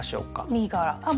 右から。